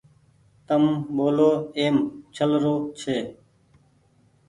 تم ٻولو ايم ڇلرو ڇي